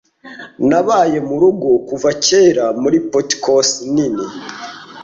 Nabaye murugo kuva kera muri porticos nini,